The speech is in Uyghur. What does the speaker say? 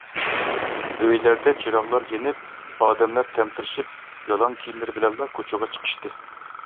ئۆيلەردە چىراغلار يېنىپ ئادەملەر تەمتىرىشىپ يالاڭ كىيىملىرى بىلەنلا كوچىغا چىقىشتى.